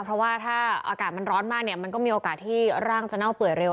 เพราะว่าถ้าอากาศมันร้อนมากเนี่ยมันก็มีโอกาสที่ร่างจะเน่าเปื่อยเร็ว